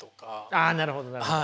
あなるほどなるほど。